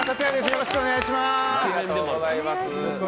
よろしくお願いします。